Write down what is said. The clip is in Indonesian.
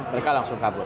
mereka langsung kabur